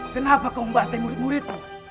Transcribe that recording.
kenapa kau membanteng murid murid